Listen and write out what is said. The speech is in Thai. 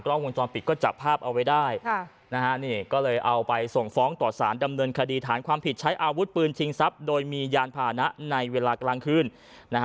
ล้องวงจรปิดก็จับภาพเอาไว้ได้ค่ะนะฮะนี่ก็เลยเอาไปส่งฟ้องต่อสารดำเนินคดีฐานความผิดใช้อาวุธปืนชิงทรัพย์โดยมียานพานะในเวลากลางคืนนะฮะ